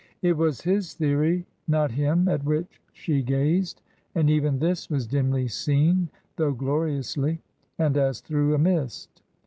It was his theory, not him, at which she gazed, and even this was dimly seen — though gloriously — and as through a mist.